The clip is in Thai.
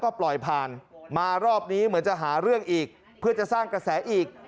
ก็ปล่อยผ่านมารอบนี้เหมือนจะหาเรื่องอีกเพื่อจะสร้างกระแสอีก